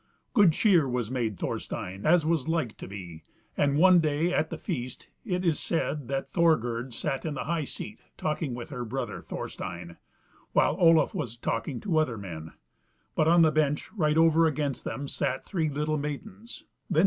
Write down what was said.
Good cheer was made Thorstein, as was like to be; and one day at the feast it is said that Thorgerd sat in the high seat talking with her brother Thorstein, while Olaf was talking to other men; but on the bench right over against them sat three little maidens.